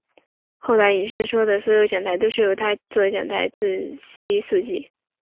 后来倪柝声所有的讲台都是由他作讲台信息速记。